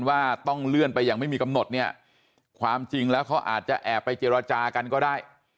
ว่าต้องเลื่อนไปอย่างไม่มีกำหนดเนี่ยความจริงแล้วเขาอาจจะแอบไปเจรจากันก็ได้